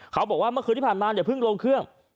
เขาบอกว่าเมื่อคืนที่ผ่านมาอย่าเพิ่งลงเครื่อง